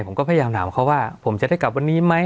ผมก็พยายามถามเขาว่าผมจะได้กลับวันนี้ไหม